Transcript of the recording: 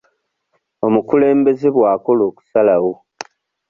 Obukulembeze bwakola okusalawo.